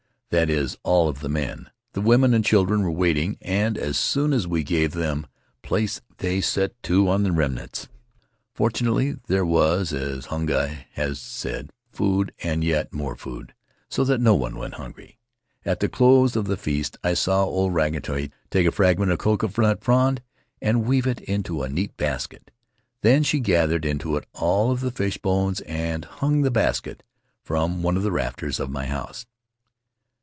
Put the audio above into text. That is, all of the men. The women and children were waiting, and as soon as we gave them place they set to on the remnants. For tunately, there was, as Hunga had said, food and yet more food, so that no one went hungry. At the close of the feast I saw old Rangituki take a fragment of coconut frond and weave it into a neat basket. Then she gathered into it all of the fish bones and hung the An Adventure in Solitude basket from one of the rafters of my house.